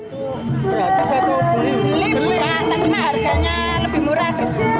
beli tapi harganya lebih murah